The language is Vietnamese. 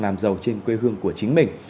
làm giàu trên quê hương của chính mình